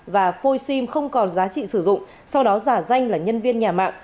và phôi sim không còn giá trị sử dụng sau đó giả danh là nhân viên nhà mạng